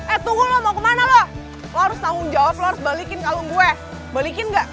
eh tunggu lo mau kemana lo harus tanggung jawab lo harus balikin kalung gue balikin gak